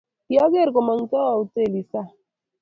kiageer kumongtoi hotelii sang